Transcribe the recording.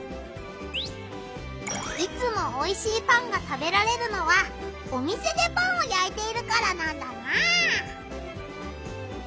いつもおいしいパンが食べられるのはお店でパンをやいているからなんだな！